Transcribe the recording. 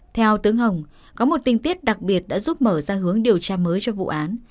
theo tướng hồng có một tình tiết đặc biệt đã giúp mở ra hướng điều tra mới cho vụ án